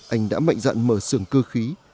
anh đã mạnh dặn mở sườn cơ khí